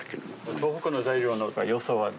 東北の材料のよさは何ですか？